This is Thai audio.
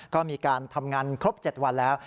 ก็มีการทำงานครบ๗วันแล้ว